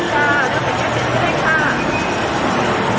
สวัสดีทุกคน